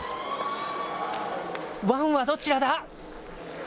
ワンはどちらだ？